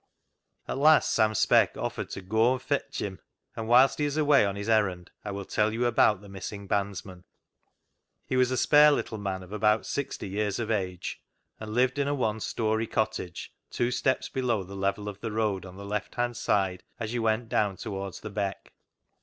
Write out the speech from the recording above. At last Sam Speck offered to " goa an' fotch him," and whilst he is away on his errand I will tell you about the missing bandsman :— He was a spare little man of about sixty years of age, and lived in a one storey cottage, two steps below the level of the road, on the left hand side as you went down towards the Beck.